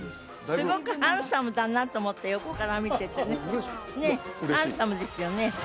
すごくハンサムだなと思って横から見ててねねっハンサムですよね？